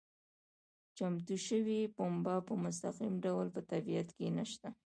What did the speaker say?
چمتو شوې پنبه په مستقیم ډول په طبیعت کې نشته.